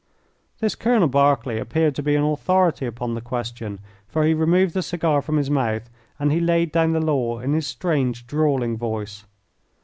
This Colonel Berkeley appeared to be an authority upon the question, for he removed the cigar from his mouth and he laid down the law in his strange, drawling voice.